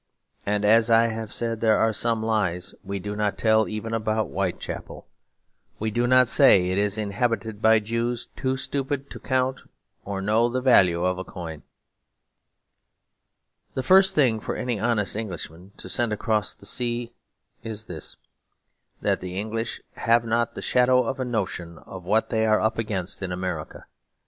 And, as I have said, there are some lies we do not tell even about Whitechapel. We do not say it is inhabited by Jews too stupid to count or know the value of a coin. The first thing for any honest Englishman to send across the sea is this; that the English have not the shadow of a notion of what they are up against in America.